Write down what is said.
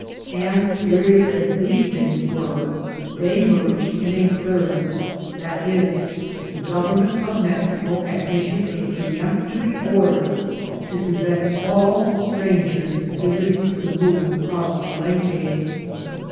And, serious as these things were, they merged in a third ; viz., the government of Mexico had issued a per emptory order to prevent all strangers visiting the ruins of Palenque. Dr.